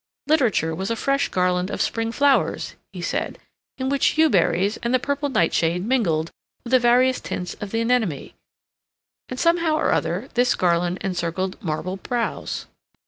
Literature was a fresh garland of spring flowers, he said, in which yew berries and the purple nightshade mingled with the various tints of the anemone; and somehow or other this garland encircled marble brows.